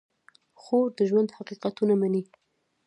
خور د ژوند حقیقتونه مني.